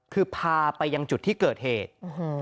คือพาไปยังจุดที่เกิดเหตุ